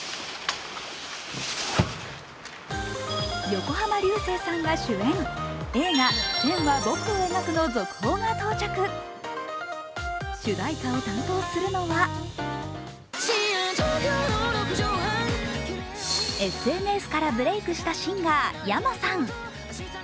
横浜流星さんが主演、映画「線は、僕を描く」の続報が到着主題歌を担当するのはＳＮＳからブレークしたシンガーｙａｍａさん。